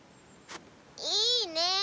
いいね。